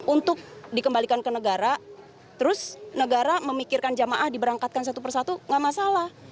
untuk dikembalikan ke negara terus negara memikirkan jamaah diberangkatkan satu persatu nggak masalah